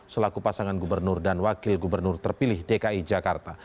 selaku pasangan gubernur dan wakil gubernur terpilih dki jakarta